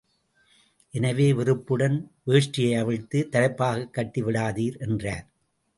எனவே வெறுப்புடன், வேஷ்டியை அவிழ்த்து தலைப்பாக் கட்டிவிடாதீர், என்றார்.